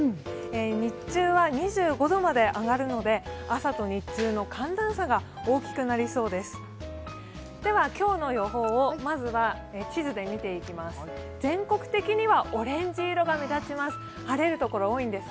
日中は２５度まで上がるので朝と日中の寒暖差が大きくなりそうです。